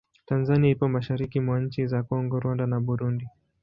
Tanzania ipo mashariki mwa nchi za Kongo, Rwanda na Burundi.